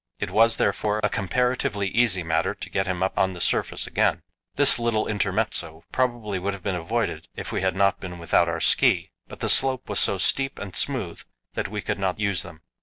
It was, therefore, a comparatively easy matter to get him up on the surface again. This little intermezzo would probably have been avoided if we had not been without our ski, but the slope was so steep and smooth that we could not use them.